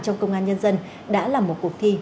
trong công an nhân dân đã là một cuộc thi